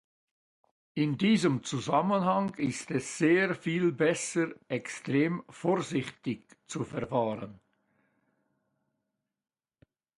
In diesem Zusammenhang ist es sehr viel besser, extrem vorsichtig zu verfahren.